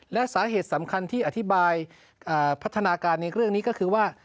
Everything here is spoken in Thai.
และสาเหตุสำคัญที่อธิบายพัฒนาการในเรื่องนี้ก็คือว่า